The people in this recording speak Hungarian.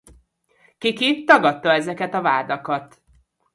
Kiki tagadta ezeket a vádakat.